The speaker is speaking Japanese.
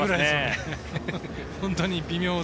本当に微妙。